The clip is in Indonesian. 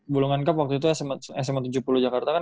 bulungan kap waktu itu sma tujuh puluh jakarta kan